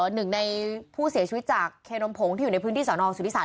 หนึ่งในผู้เสียชีวิตจากเคนมผงที่อยู่ในพื้นที่สอนองสุธิศาส